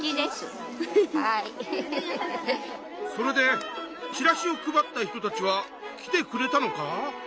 それでチラシを配った人たちは来てくれたのか？